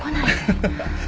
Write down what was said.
ハハハハ。